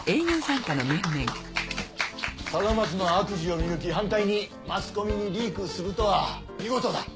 貞松の悪事を見抜き反対にマスコミにリークするとは見事だ！